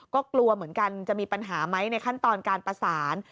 ก็กลัวเหมือนกันจะมีปัญหาไหมในขั้นตอนการประสาน